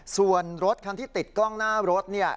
ส่วนรถคันที่ติดกล้องหน้ารถเนี่ย